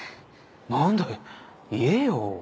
何だ言えよ。